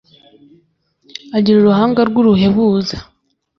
Agira uruhanga rw’uruhebuza,